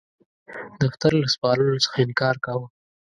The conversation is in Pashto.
دفتر له سپارلو څخه انکار کاوه.